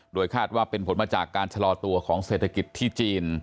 โดยคาดว่าเป็นผลมาจากการชะลอตัวของเศรษฐกิจที่จีน